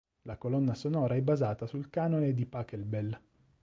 La colonna sonora è basata sul "Canone di Pachelbel".